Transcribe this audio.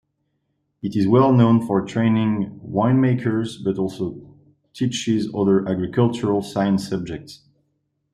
It is well known for training winemakers, but also teaches other agricultural science subjects.